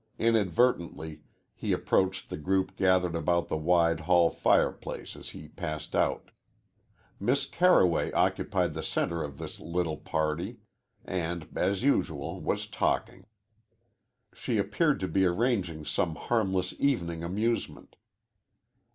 Inadvertently he approached the group gathered about the wide hall fireplace as he passed out. Miss Carroway occupied the center of this little party and, as usual, was talking. She appeared to be arranging some harmless evening amusement.